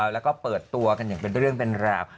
แล้วก็เปิดตัวกันอย่างเป็นเรื่องเป็นราว